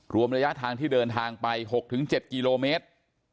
รวมระยะทางที่เดินทางไป๖๗กิโลเมตร